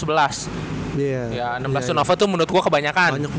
ya enam belas turnover tuh menurut gue kebanyakan